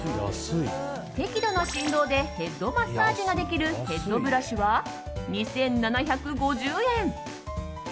適度な振動でヘッドマッサージができるヘッドブラシは２７５０円。